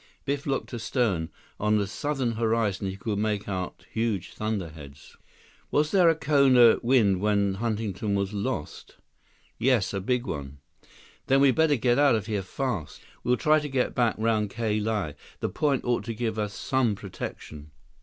Biff looked astern. On the southern horizon, he could make out huge thunderheads. "Was there a Kona wind when Huntington was lost?" "Yes. A big one." "Then we'd better get out of here fast. We'll try to get back round Ka Lae. The Point ought to give us some protection."